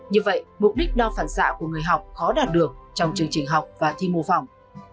như vậy mục đích đo phản xạ của người học khó đạt được trong chương trình học và thi mô phỏng